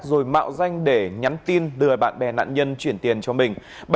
rồi mạo danh để nhắn tin lừa bạn bè nạn nhân chuyển tiền cho mình